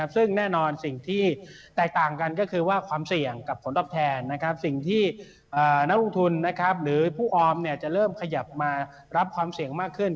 สิ่งที่นักลงทุนนะครับหรือผู้ออมเนี่ยจะเริ่มขยับมารับความเสี่ยงมากขึ้น